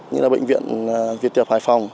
như là bệnh viện việt tiệp hải phòng